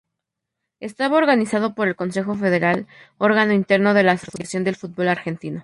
Estaba organizado por el Consejo Federal, órgano interno de la Asociación del Fútbol Argentino.